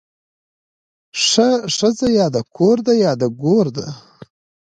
ښځه يا د کور ده يا د ګور ده